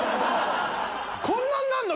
こんなになるの？